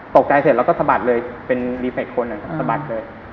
ตกใจเสร็จเราก็สะบัดเลยเป็นรีฟอีกคนนะครับสะบัดเลย